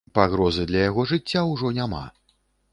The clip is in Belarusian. Пагрозы для яго жыцця ўжо няма.